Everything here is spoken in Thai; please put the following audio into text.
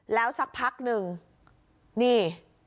แล้วสักพักหนึ่งนี่